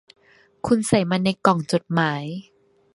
คุณใส่มันในกล่องจดหมาย